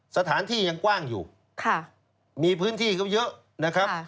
สถานที่ยังกว้างอยู่มีพื้นที่ก็เยอะนะครับ